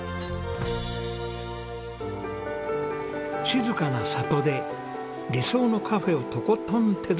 静かな里で理想のカフェをとことん手作りしたい。